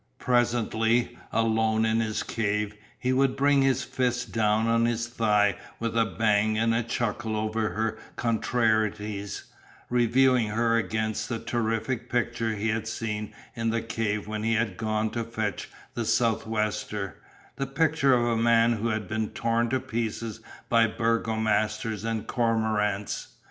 Presently, alone in his cave, he would bring his fist down on his thigh with a bang and chuckle over her contrarieties, reviewing her against that terrific picture he had seen in the cave when he had gone to fetch the sou'wester; the picture of a man who had been torn to pieces by Burgomasters and cormorants.